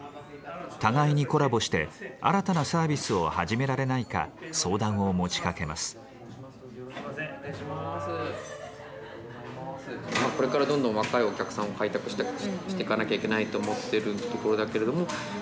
互いにコラボして新たなサービスを始められないか相談を持ちかけます。